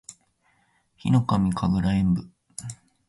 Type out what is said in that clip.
ヒノカミ神楽円舞（ひのかみかぐらえんぶ）